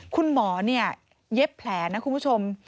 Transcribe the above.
คุณหมอเนี่ยเย็บแผลนะคุณผู้ชม